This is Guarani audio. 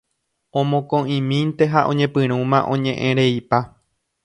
Omokõ'imínte ha oñepyrũma oñe'ẽreipa.